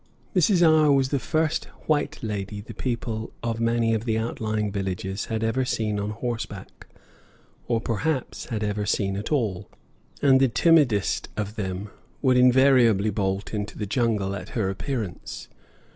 Mrs. R was the first white lady the people of many of the outlying villages had ever seen on horseback, or perhaps had ever seen at all, and the timidest of them would invariably bolt into the jungle at her appearance.